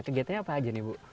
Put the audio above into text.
kegiatannya apa aja nih bu